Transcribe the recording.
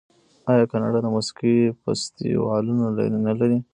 آیا کاناډا د موسیقۍ فستیوالونه نلري؟